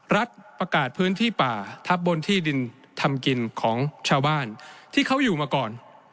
รัฐประกาศพื้นที่ป่าทับบนที่ดินทำกินของชาวบ้านที่เขาอยู่มาก่อน